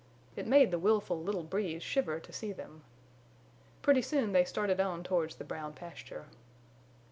It made the willful little Breeze shiver to see them. Pretty soon they started on towards the Brown Pasture.